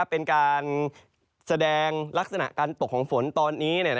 เป็นการแสดงลักษณะการตกของฝนตอนนี้